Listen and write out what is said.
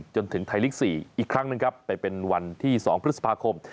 จนถึงไทยลีก๔อีกครั้งหนึ่งครับแต่เป็นวันที่๒พฤษภาคม